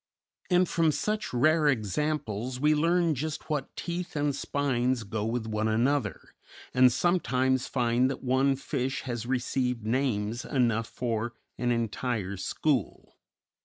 And from such rare examples we learn just what teeth and spines go with one another, and sometimes find that one fish has received names enough for an entire school.